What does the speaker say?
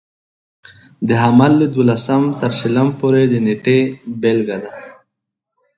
د حمل له دولسم تر شلم پورې د نېټې بېلګه ده.